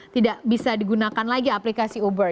tidak bisa digunakan lagi aplikasi uber